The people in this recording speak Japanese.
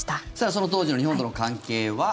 その当時の日本との関係は。